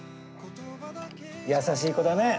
優しい子だね。